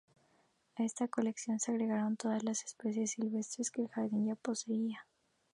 A esta colección se agregaron todas las especies silvestres que el Jardín ya poseía.